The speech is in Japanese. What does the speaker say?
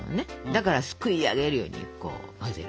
だからすくいあげるようにこう混ぜる。